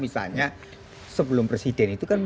sebelum presiden itu